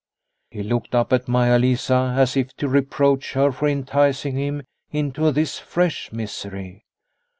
He looked up at Maia Lisa, as if to reproach her for enticing him into this fresh misery.